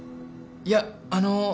いやあの。